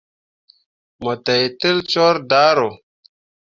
Mo teitel coor daaro.